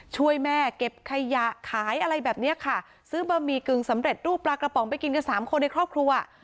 ช่วยแม่เก็บขยะขายอะไรแบบเนี้ยค่ะซื้อบะหมี่กึ่งสำเร็จรูปปลากระป๋องไปกินกันสามคนในครอบครัว